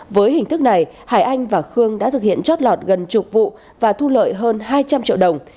với hình thức này hải anh và khương đã thực hiện chót lọt gần chục vụ và thu lợi hơn hai trăm linh triệu đồng